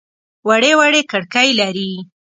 وړې وړې کړکۍ لري.